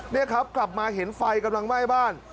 นี่ครับกลับมาเห็นไฟกำลังไหม้บ้าน